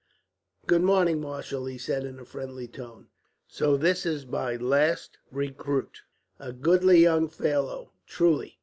"Good morning, marshal!" he said, in a friendly tone. "So this is my last recruit a goodly young fellow, truly."